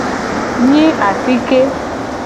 Nyi asike.